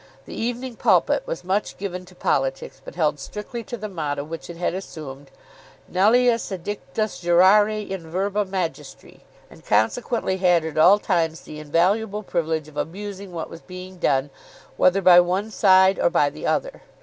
The "Evening Pulpit" was much given to politics, but held strictly to the motto which it had assumed; "Nullius addictus jurare in verba magistri;" and consequently had at all times the invaluable privilege of abusing what was being done, whether by one side or by the other.